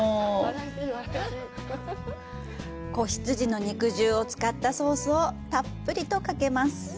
仔羊の肉汁を使ったソースをたっぷりとかけます。